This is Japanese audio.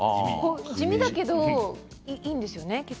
地味だけど、いいんですよね？